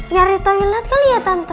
nyari toilet kali ya tante